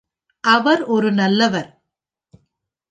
அவர் ஒரு நல்லவர்.